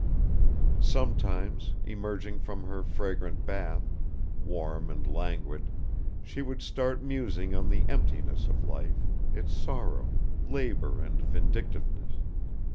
Sometimes, emerging from her fragrant bath, warm and languid, she would start musing on the emptiness of life, its sorrow, labor and vindictiveness